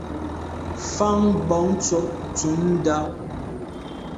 Mfan bon tshob ntùm ndà.